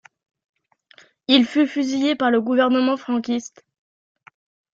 Il fut fusillé par le gouvernement franquiste.